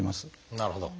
なるほど。